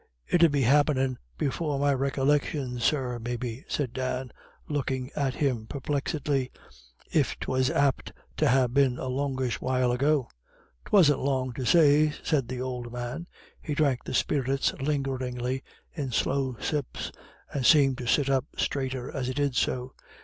"It 'ud ha' happint before my recollections, sir, maybe," said Dan, looking at him perplexedly, "if 'twas apt to ha' been a longish while ago." "'Twasn't long to say," said the old man. He drank the spirits lingeringly, in slow sips, and seemed to sit up straighter as he did so.